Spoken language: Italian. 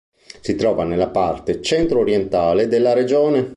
Si trova nella parte centro-orientale della regione.